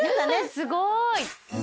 すごーい